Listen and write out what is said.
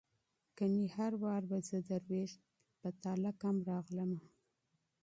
کنې هر وار به زه دروېش په تاله کم راغلمه